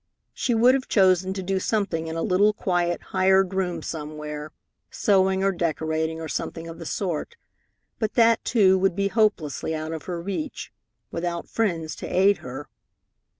She would have chosen to do something in a little, quiet hired room somewhere, sewing or decorating or something of the sort, but that too would be hopelessly out of her reach, without friends to aid her.